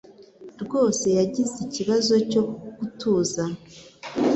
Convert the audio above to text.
rwose yagize ikibazo cyo gutuza